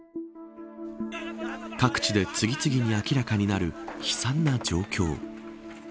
各地で次々に明らかになる悲惨な状況。